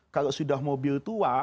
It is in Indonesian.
kalau sudah mobil tua